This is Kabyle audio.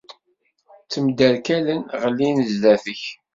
Ttemderkalen, ɣellin sdat-k.